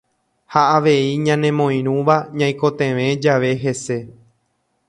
Ha avei ñanemoirũva ñaikotevẽ jave hese.